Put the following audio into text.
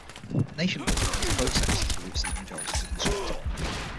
Nation-building is the process through which these majorities are constructed.